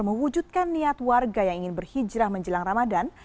mewujudkan niat warga yang ingin berhijrah menjelang ramadan